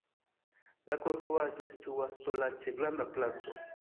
La konstruaĵo situas sola ĉe granda placo.